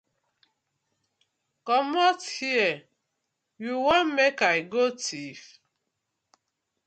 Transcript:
Comot here yu won mek I go thief?